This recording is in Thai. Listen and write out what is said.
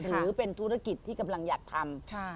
หรือเป็นธุรกิจที่กำลังอยากทำ